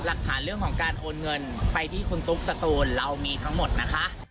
หลักฐานเรื่องของการโอนเงินไปที่คุณตุ๊กสตูนเรามีทั้งหมดนะคะ